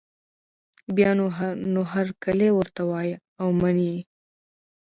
بیا نو هرکلی ورته وايي او مني یې